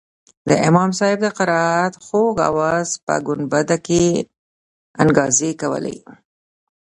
د امام صاحب د قرائت خوږ اواز په ګنبده کښې انګازې کولې.